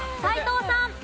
斎藤さん。